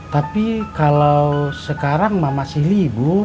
tapi kalau sekarang mama sih libur